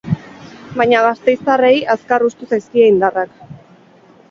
Baina gasteiztarrei azkar hustu zaizkie indarrak.